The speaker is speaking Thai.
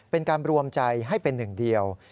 เป็นการรวมใจให้เป็นหนึ่งเดียว